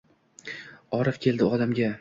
Orif keldi olamga.